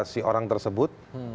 si orang tersebut